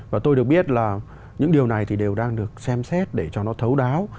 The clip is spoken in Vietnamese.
và tôi được biết là những điều này thì đều đang được xem xét để cho nó thấu đáo